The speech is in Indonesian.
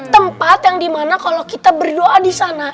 tempat yang dimana kalau kita berdoa disana